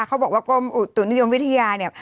เขาบอกว่าตุ๋นยงวิทยาเนี่ย